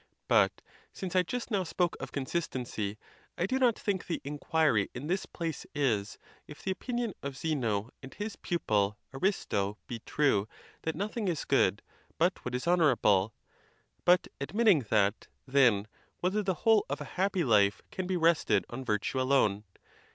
But, since I just now spoke of consistency, I do not think the inquiry in this place is, if the opinion of Zeno and his pupil Aristo be true that nothing is good but what is hon orable; but, admitting that, then, whether the whole of a happy life can be rested on virtue alone.